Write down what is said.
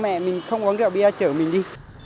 hoặc là bố mẹ mình không uống rượu bia chở mình đi